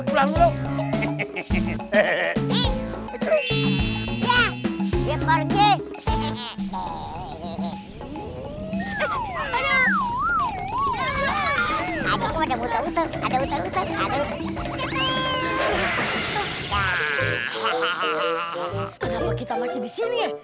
kenapa kita masih disini ya